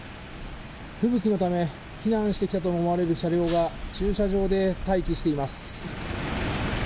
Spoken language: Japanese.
吹雪のため避難してきたと思われる車両が駐車場で待機しています。